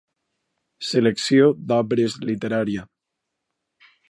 Selecció d'obres literària.